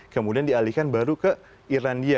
kemudian dialihkan baru ke irlandia